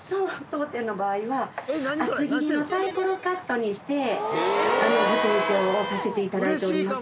当店の場合は厚切りのさいころカットにしてご提供をさせていただいております。